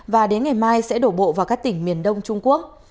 và đến ngày mai sẽ đổ bộ vào các tỉnh miền đông trung quốc